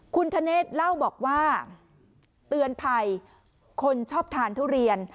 คุณธเนธเล่าบอกว่าเตือนภัยคนชอบทานทุเรียน